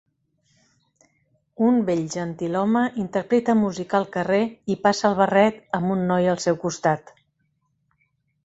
Un vell gentilhome interpreta música al carrer i passa el barret amb un noi al seu costat.